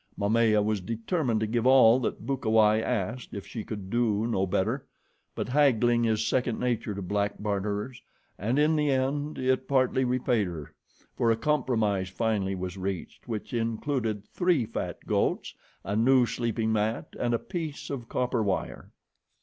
Momaya was determined to give all that Bukawai asked if she could do no better, but haggling is second nature to black barterers, and in the end it partly repaid her, for a compromise finally was reached which included three fat goats, a new sleeping mat, and a piece of copper wire.